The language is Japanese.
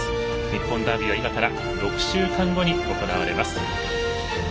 日本ダービーは今から６週間後に行われます。